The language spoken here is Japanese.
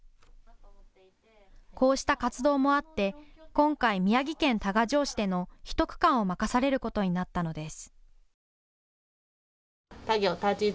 こうした活動もあって今回、宮城県多賀城市での１区間を任されることになったのです。